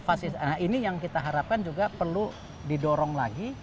nah ini yang kita harapkan juga perlu didorong lagi